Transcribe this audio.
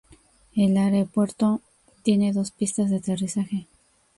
El aeropuerto tiene dos pistas de aterrizaje.